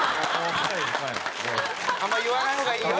あんまり言わない方がいいよ。